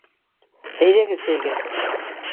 Әйҙәгеҙ сәйгә!